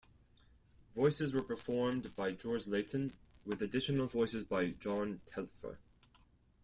Voices were performed by George Layton, with additional voices by John Telfer.